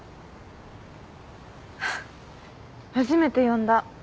初めて呼んだ。